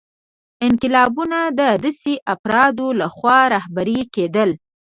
انقلابونه د داسې افرادو لخوا رهبري کېدل.